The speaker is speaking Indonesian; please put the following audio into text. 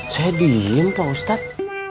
saya diem pak ustad